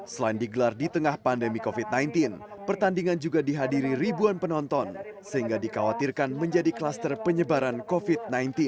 selain digelar di tengah pandemi covid sembilan belas pertandingan juga dihadiri ribuan penonton sehingga dikhawatirkan menjadi kluster penyebaran covid sembilan belas